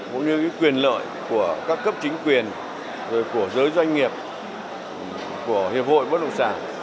cũng như quyền lợi của các cấp chính quyền của giới doanh nghiệp của hiệp hội bất động sản